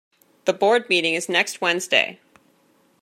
The board meeting is next Wednesday.